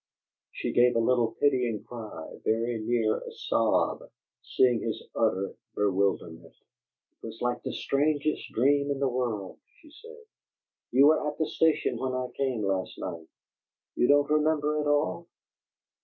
She gave a little pitying cry, very near a sob, seeing his utter bewilderment. "It was like the strangest dream in the world," she said. "You were at the station when I came, last night. You don't remember at all?"